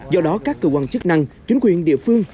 do đó các cơ quan chức năng chính quyền địa phương